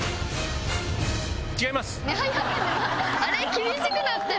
厳しくなってる！